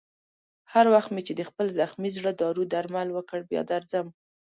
هر وخت مې چې د خپل زخمي زړه دارو درمل وکړ، بیا درځم.